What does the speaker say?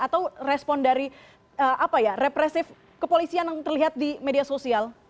atau respon dari represif kepolisian yang terlihat di media sosial